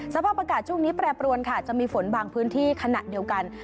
สภาพอากาศช่วงนี้แปรปรวนค่ะจะมีฝนบางพื้นที่ขณะเดียวกัน